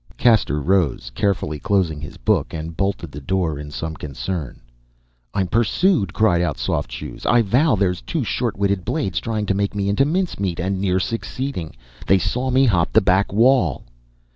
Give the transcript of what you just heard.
Caxter rose, carefully closing his book, and bolted the door in some concern. "I'm pursued," cried out Soft Shoes. "I vow there's two short witted blades trying to make me into mincemeat and near succeeding. They saw me hop the back wall!"